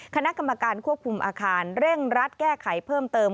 คณะกรรมการควบคุมอาคารเร่งรัดแก้ไขเพิ่มเติม